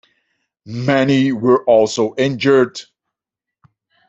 Many were also injured.